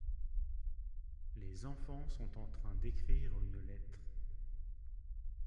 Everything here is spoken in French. Les enfants sont en train d’écrire une lettre.